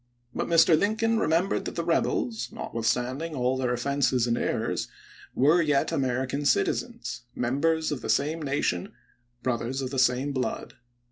But Mr. Lincoln remembered that the rebels, notwithstanding all their offenses and errors, were yet American citizens, members of the same nation, brothers of the same blood.